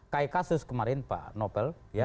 kayak kasus kemarin pak novel